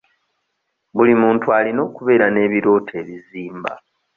Buli muntu alina okubeera n'ebirooto ebizimba.